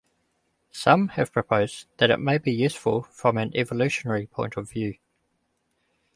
Some have proposed that it may be useful from an evolutionary point of view.